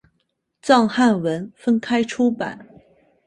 藏汉文分开出版。